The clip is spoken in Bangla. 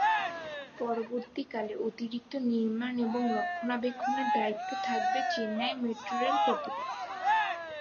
পরবর্তীকালে অতিরিক্ত নির্মাণ এবং রক্ষণাবেক্ষণের দায়িত্বে থাকবে চেন্নাই মেট্রো রেল কর্তৃপক্ষ।